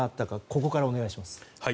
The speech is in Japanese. ここからお願いします。